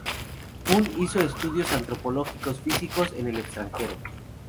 Coon hizo estudios antropológicos físicos en el extranjero.